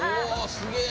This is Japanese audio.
すげえ！